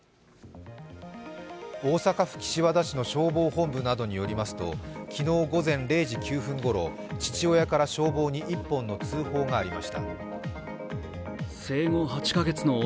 大阪府岸和田市の消防本部などによりますと昨日午前０時９分ごろ、父親から消防に１本の通報がありました。